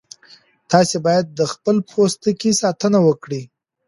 تاسي باید د خپل پوستکي ساتنه وکړئ.